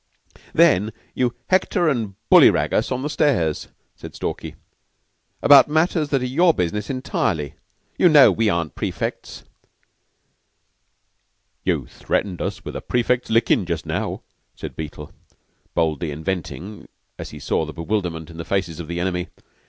"Then you hector and bullyrag us on the stairs," said Stalky, "about matters that are your business entirely. You know we aren't prefects." "You threatened us with a prefect's lickin' just now," said Beetle, boldly inventing as he saw the bewilderment in the faces of the enemy.